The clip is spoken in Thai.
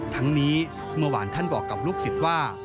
ทั้งนี้เมื่อวานท่านบอกกับลูกศิษย์ว่า